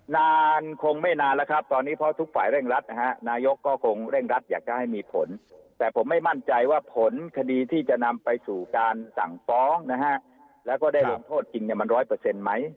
นานคงไม่นานแล้วครับตอนนี้เพราะทุกฝ่ายเร่งรัดนะฮะนายกก็คงเร่งรัดอยากจะให้มีผลแต่ผมไม่มั่นใจว่าผลคดีที่จะนำไปสู่การสั่งฟ้องนะฮะแล้วก็ได้ลงโทษจริงเนี่ยมันร้อยเปอร์เซ็นต์ไหม